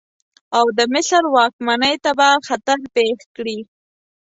او د مصر واکمنۍ ته به خطر پېښ کړي.